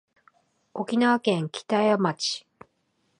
沖縄県北谷町